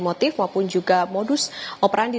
motif maupun juga modus operandi